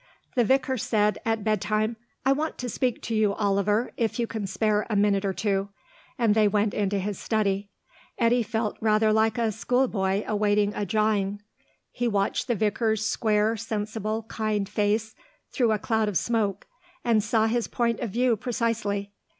The vicar said, at bedtime, "I want to speak to you, Oliver, if you can spare a minute or two," and they went into his study. Eddy felt rather like a schoolboy awaiting a jawing. He watched the vicar's square, sensible, kind face, through a cloud of smoke, and saw his point of view precisely.